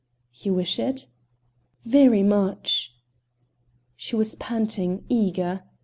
"You wish it?" "Very much." She was panting, eager.